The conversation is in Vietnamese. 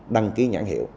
đăng ký nhãn hiệu